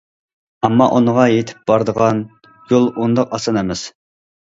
ئەمما ئۇنىڭغا يېتىپ بارىدىغان يول ئۇنداق ئاسان ئەمەس.